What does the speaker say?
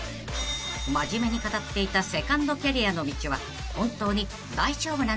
［真面目に語っていたセカンドキャリアの道は本当に大丈夫なんでしょうか？］